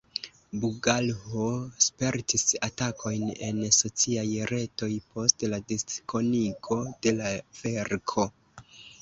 Bugalho spertis atakojn en sociaj retoj post la diskonigo de la verko.